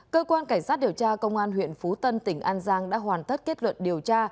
cơ quan cảnh sát điều tra công an huyện phú tân tỉnh an giang đã hoàn tất kết luận điều tra